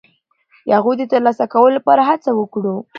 د هغوی د ترلاسه کولو لپاره هڅه وکړو.